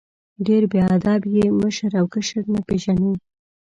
ډېر بې ادب یې ، مشر او کشر نه پېژنې!